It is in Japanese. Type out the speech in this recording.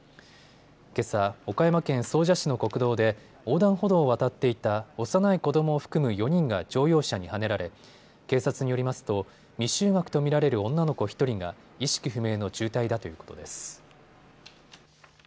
けさ、岡山県総社市の国道で横断歩道を渡っていた幼い子どもを含む４人が乗用車にはねられ、警察によりますと未就学と見られる女の子１人が意識不明の重体だということです。